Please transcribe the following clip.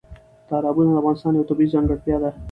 تالابونه د افغانستان یوه طبیعي ځانګړتیا ده.